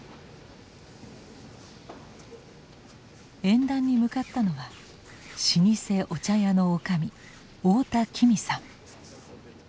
演壇に向かったのは老舗お茶屋の女将太田紀美さん。